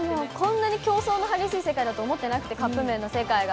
競争の激しい世界だと思ってなくて、カップ麺の世界が。